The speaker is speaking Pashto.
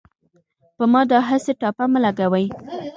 په ما داهسې ټاپه مه لګوۍ